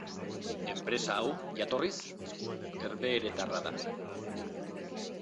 Enpresa hau, jatorriz, herbeheretarra da.